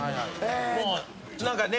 もう何かね